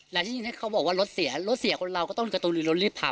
หลังจากนี้เขาบอกว่ารถเสียรถเสียคนเราก็ต้องกระตุนรถรีบทำ